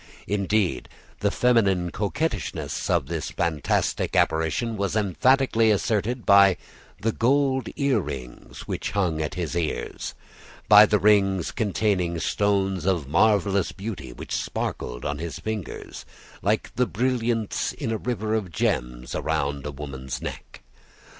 Indeed, the feminine coquettishness of this fantastic apparition was emphatically asserted by the gold ear rings which hung at his ears, by the rings containing stones of marvelous beauty which sparkled on his fingers, like the brilliants in a river of gems around a woman's neck.